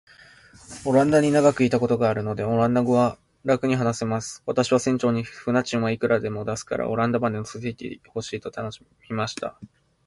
オランダに長らくいたことがあるので、オランダ語はらくに話せます。私は船長に、船賃はいくらでも出すから、オランダまで乗せて行ってほしいと頼みました。